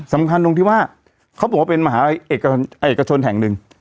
สำคัญตรงที่ว่าเขาบอกว่าเป็นมหาเอกชนแห่งหนึ่ง